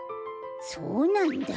そうなんだ。